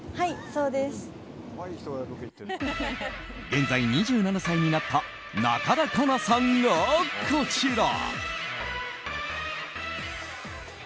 現在２７歳になった中田花奈さんが、こちら。